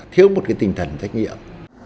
thiếu một cái tình thần trách nhiệm